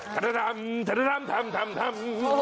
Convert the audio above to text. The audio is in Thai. ท่านธรรมท่านธรรมท่านธรรมท่านธรรม